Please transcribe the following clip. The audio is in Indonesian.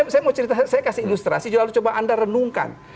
saya kasih ilustrasi lalu coba anda renungkan